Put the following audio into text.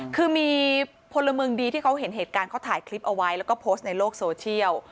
คือมีพลเมืองดีที่เขาเห็นเหตุการณ์เขาถ่ายคลิปเอาไว้แล้วก็โพสต์ในโลกโซเชียล